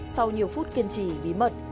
sau nhiều phút kiên trì bí mật